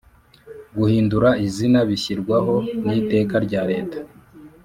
guhindura izina bishyirwaho n iteka rya leta